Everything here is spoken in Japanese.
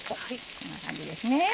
こんな感じですね。